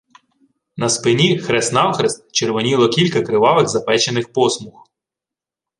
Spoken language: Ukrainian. На спині хрест-навхрест червоніло кілька кривавих запечених посмуг.